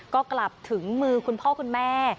ก็กลับถึงมือคุณพ่อคุณแม่